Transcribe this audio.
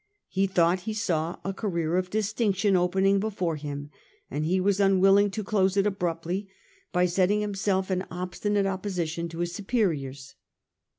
He thought he saw a career of distinction opening before him, and he was unwilling to close it abruptly by setting himself in obstinate opposition to his superiors.